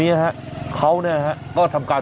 จัดกระบวนพร้อมกัน